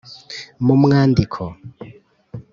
mu mwandiko?